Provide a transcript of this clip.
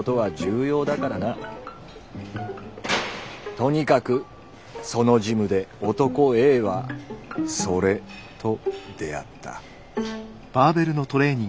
とにかくそのジムで「男Ａ」は「それ」と出会った。